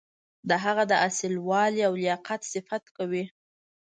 د هغه د اصیل والي او لیاقت صفت کوي.